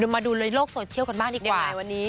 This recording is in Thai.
มาดูในโลกโซเชียลกันบ้างดีกว่าวันนี้